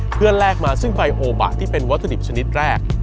เพื่อแลกมาซึ่งใบโอบะที่เป็นวัตถุดิบชนิดแรก